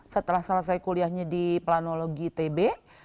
setelah selesai kuliahnya di planologi itb